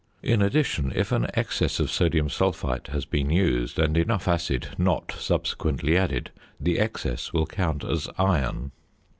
In addition, if an excess of sodium sulphite has been used and enough acid not subsequently added, the excess will count as iron.